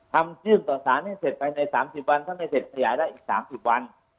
ทำยื่นต่อสารให้เสร็จภายในสามสิบวันถ้าไม่เสร็จภายแล้วอีกสามสิบวัน